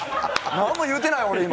何も言うてない、今。